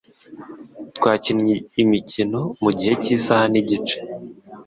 Twakinnye imikino mugihe cyisaha nigice.